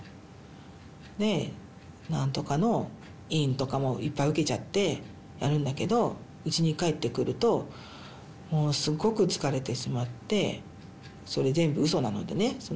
で何とかの委員とかもいっぱい受けちゃってやるんだけどうちに帰ってくるともうすごく疲れてしまってそれ全部うそなのでね。